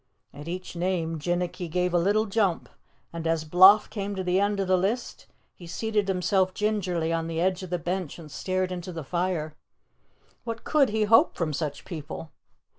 At each name Jinnicky gave a little jump, and as Bloff came to the end of the list he seated himself gingerly on the edge of the bench and stared into the fire. What could he hope from such people?